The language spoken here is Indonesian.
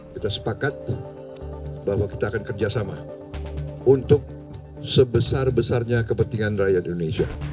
kita sepakat bahwa kita akan kerjasama untuk sebesar besarnya kepentingan rakyat indonesia